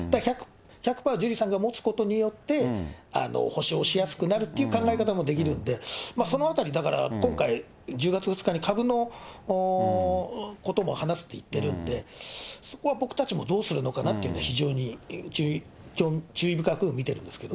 １００パージュリーさんが持つことによって、補償しやすくなるという考え方もできるんで、そのあたり、だから今回、１０月２日に株のことも話すって言ってるんで、そこは僕たちもどうするのかなというのは非常に注意深く見てるんですけど。